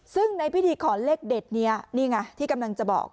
ซึ่งในพิธีขอเลขเด็ดนี้นี่ไงที่กำลังจะบอก